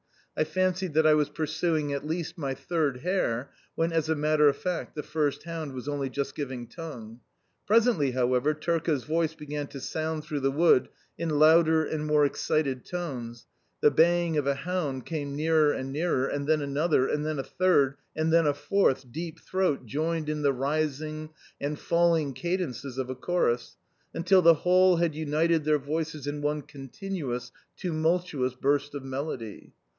I fancied that I was pursuing at least my third hare when, as a matter of fact, the first hound was only just giving tongue. Presently, however, Turka's voice began to sound through the wood in louder and more excited tones, the baying of a hound came nearer and nearer, and then another, and then a third, and then a fourth, deep throat joined in the rising and falling cadences of a chorus, until the whole had united their voices in one continuous, tumultuous burst of melody.